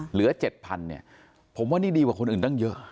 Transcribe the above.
เหลือ๗๐๐เนี่ยผมว่านี่ดีกว่าคนอื่นตั้งเยอะ